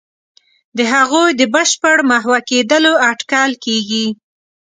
د هغوی د بشپړ محو کېدلو اټکل کېږي.